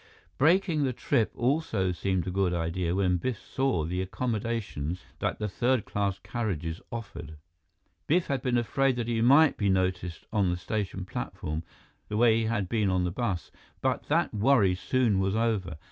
Breaking the trip also seemed a good idea when Biff saw the accommodations that the third class carriages offered. Biff had been afraid that he might be noticed on the station platform, the way he had been on the bus, but that worry soon was over.